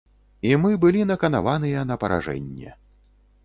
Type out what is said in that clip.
І мы былі наканаваныя на паражэнне.